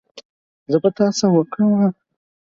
زه په تا څه وکړم